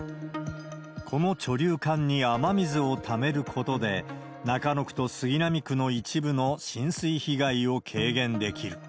この貯留管に雨水をためることで、中野区と杉並区の一部の浸水被害を軽減できる。